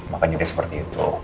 makanya dia seperti itu